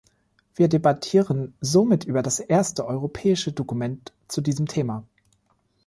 Wir debattieren somit über das erste europäische Dokument zu diesem Thema.